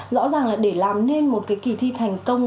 rõ ràng là để làm nên một cái kỳ thi thành công